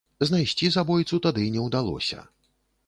Знайсці забойцу тады не ўдалося.